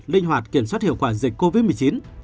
linh hoạt kiểm soát hiệu quả dịch covid một mươi chín